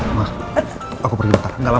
emang aku pergi ntar gak lama